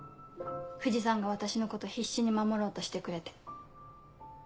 藤さんが私のこと必死に守ろうとしてくれて。